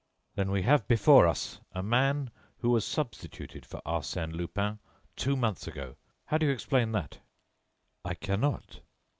"Then we have before us a man who was substituted for Arsène Lupin, two months ago. How do you explain that?" "I cannot."